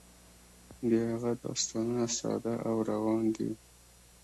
د هغه داستانونه ساده او روان دي.